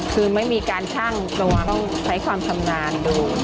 คือไม่มีการชั่งตัวต้องใช้ความชำนาญดู